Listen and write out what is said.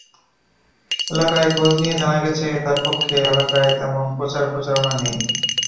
এলাকায় খোঁজ নিয়ে জানা গেছে, তাঁর পক্ষে এলাকায় তেমন প্রচার-প্রচারণা নেই।